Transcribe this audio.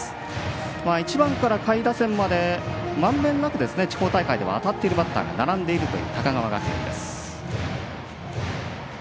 １番から下位打線までまんべんなく地方大会では当たっているバッターが並んでいる高川学園です。